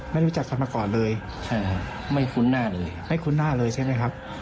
ไม่รู้จักกันมาก่อนเลยไม่คุ้นหน้าเลยไม่คุ้นหน้าเลยใช่ไหมครับ